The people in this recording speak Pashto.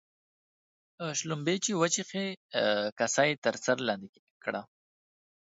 شلومبې چې وچښې ، کاسه يې تر سر لاندي کړه.